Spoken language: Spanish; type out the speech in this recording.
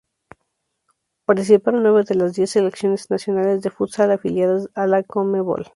Participaron nueve de las diez selecciones nacionales de futsal afiliadas a la Conmebol.